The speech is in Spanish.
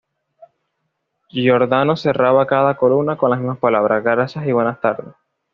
Giordano cerraba cada columna con las mismas palabras: "Gracias y buenas tardes".